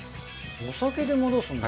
お酒で戻すんだ。